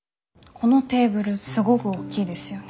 このテーブルすごぐ大きいですよね。